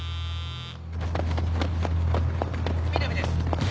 南です！